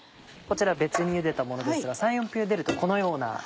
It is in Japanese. こちら別にゆでたものですが３４分ゆでるとこのような。